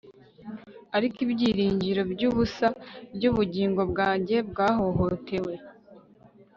ariko ibyiringiro byubusa byubugingo bwanjye bwahohotewe